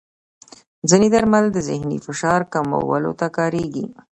ځینې درمل د ذهني فشار کمولو ته کارېږي.